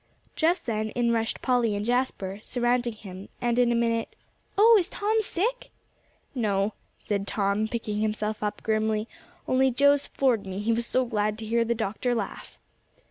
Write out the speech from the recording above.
Just then in rushed Polly and Jasper, surrounding him, and in a minute, "Oh, is Tom sick?" "No," said Tom, picking himself up grimly, "only Joe's floored me, he was so glad to hear the doctor laugh."